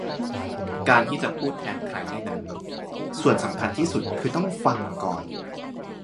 การที่จะพูดแทนใครได้นั้นส่วนสำคัญที่สุดคือต้อง"ฟัง"ก่อน